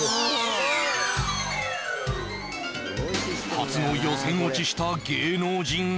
初の予選落ちした芸能人は？